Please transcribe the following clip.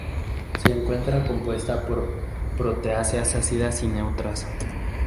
Se encuentra compuesta por proteasas ácidas y neutras.